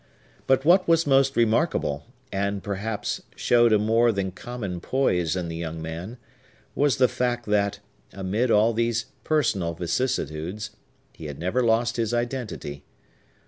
But what was most remarkable, and, perhaps, showed a more than common poise in the young man, was the fact that, amid all these personal vicissitudes, he had never lost his identity.